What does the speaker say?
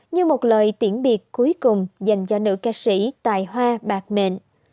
như một lời tiễn biệt cuối cùng dành cho nữ ca sĩ tài hoa bạc mện